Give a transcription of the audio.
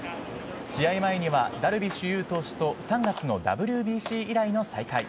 試合前には、ダルビッシュ有投手と３月のＷＢＣ以来の再会。